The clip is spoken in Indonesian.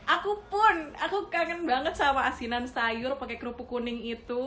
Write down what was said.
aku pun aku kangen banget sama asinan sayur pakai kerupuk kuning itu